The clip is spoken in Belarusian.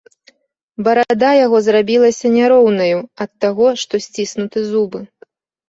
Барада яго зрабілася няроўнаю ад таго, што сціснуты зубы.